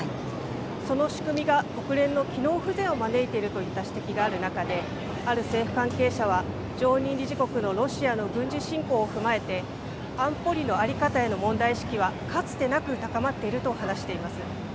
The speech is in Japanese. その仕組みが国連の機能不全を招いているといった指摘がある中で、ある政府関係者は、常任理事国のロシアの軍事侵攻を踏まえて、安保理の在り方への問題意識はかつてなく高まっていると話しています。